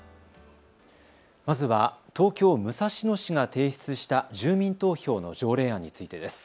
まずは東京武蔵野市が提出した住民投票の条例案についてです。